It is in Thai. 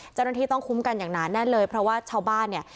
เจ้าหน้าที่ต้องคุ้มกันอย่างหนาแน่นเลยเพราะว่าชาวบ้านเนี่ย